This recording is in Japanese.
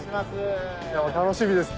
楽しみです。